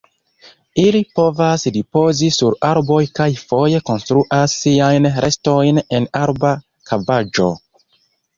Ili povas ripozi sur arboj kaj foje konstruas siajn nestojn en arba kavaĵo.